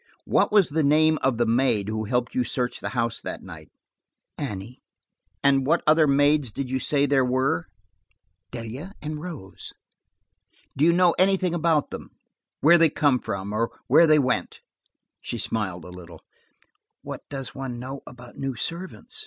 What was the name of the maid who helped you search the house that night? "Annie." "What other maids did you say there were?" "Delia and Rose." "Do you know anything about them? Where they came from, or where they went?" She smiled a little. "What does one know about new servants?"